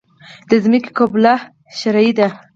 د ځمکې قباله شرعي ده؟